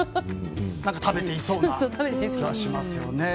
食べていそうな気がしますよね。